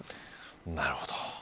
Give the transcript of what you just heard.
なるほど。